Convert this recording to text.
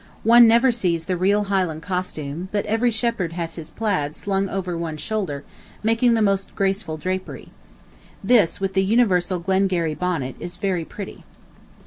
One never sees the real Highland costume, but every shepherd has his plaid slung over one shoulder, making the most graceful drapery. This, with the universal Glengarry bonnet, is very pretty.